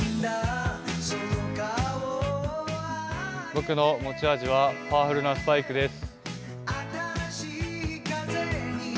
僕の持ち味はパワフルなスパイクです。